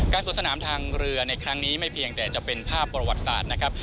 สวนสนามทางเรือในครั้งนี้ไม่เพียงแต่จะเป็นภาพประวัติศาสตร์นะครับ